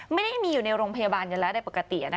ไม่ได้มีอยู่ในโรงพยาบาลอย่างนั้นได้ปกติ